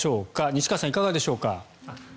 西川さん、いかがでしょうか。